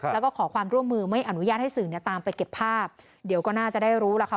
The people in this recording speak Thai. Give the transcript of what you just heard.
แล้วก็ขอความร่วมมือไม่อนุญาตให้สื่อเนี่ยตามไปเก็บภาพเดี๋ยวก็น่าจะได้รู้ล่ะค่ะ